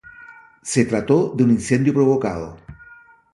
Se trató de un incendio provocado.